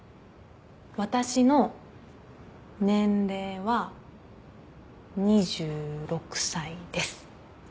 私の年齢は２６歳です。